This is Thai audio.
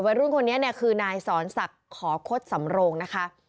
รุ่นคนนี้เนี่ยคือนายสอนศักดิ์ขอคดสำโรงนะคะ